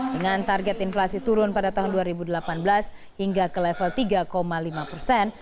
dengan target inflasi turun pada tahun dua ribu delapan belas hingga ke level tiga lima persen